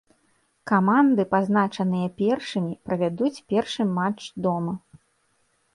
Каманды, пазначаныя першымі, правядуць першы матч дома.